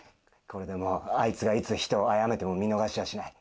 これでもうあいつがいつ人をあやめても見逃しはしない。